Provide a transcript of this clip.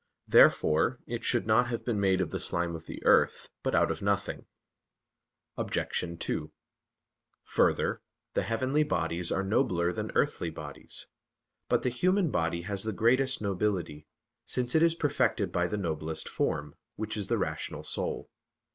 Therefore it should not have been made of the slime of the earth, but out of nothing. Obj. 2: Further, the heavenly bodies are nobler than earthly bodies. But the human body has the greatest nobility; since it is perfected by the noblest form, which is the rational soul.